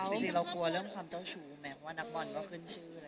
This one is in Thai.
จริงเรากลัวเรื่องความเจ้าชู้แม้ว่านักบอลก็ขึ้นชื่อ